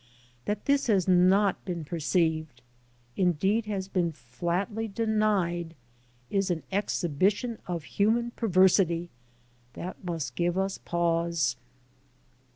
That this has not been perceived ŌĆö indeed, has been flatly denied ŌĆö is an exhibition of human perversity that must give us pause.